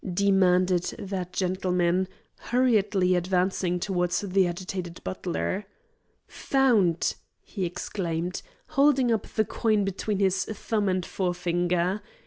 demanded that gentleman, hurriedly advancing towards the agitated butler. "Found!" he exclaimed, holding up the coin between his thumb and forefinger.